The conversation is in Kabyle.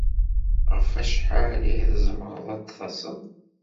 Ɣef wacḥal ay tzemreḍ ad d-taseḍ?